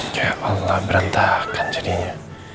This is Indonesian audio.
ya allah berantakan jadinya